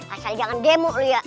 asal jangan demo liat